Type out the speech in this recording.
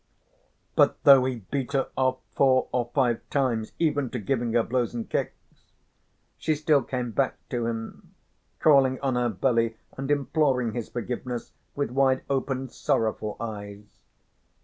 But though he beat her off four or five times even to giving her blows and kicks, she still came back to him, crawling on her belly and imploring his forgiveness with wide open sorrowful eyes.